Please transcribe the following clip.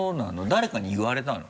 誰かに言われたの？